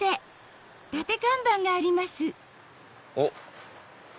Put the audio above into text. おっ！